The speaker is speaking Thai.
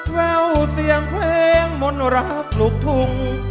แววเสียงเพลงมนต์รักลูกทุ่ง